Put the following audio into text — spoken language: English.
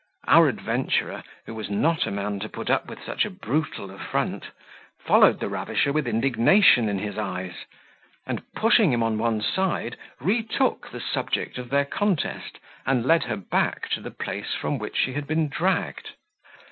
Our adventurer, who was not a man to put up with such a brutal affront, followed the ravisher with indignation in his eyes; and pushing him on one side, retook the subject of their contest, and led her back to the place from whence she had been dragged.